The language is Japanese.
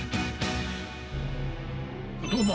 どうも！